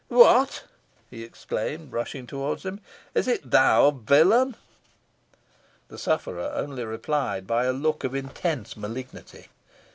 "What?" he exclaimed, rushing towards him. "Is it thou, villain?" The sufferer only replied by a look of intense malignity.